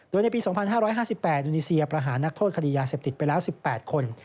โดยในปี๒๕๕๘อินโดนีเซียประหารนักโทษคดียาเสพติดไปแล้ว๑๘คน